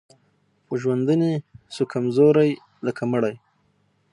په ژوندوني سو کمزوری لکه مړی